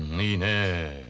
いいねえ。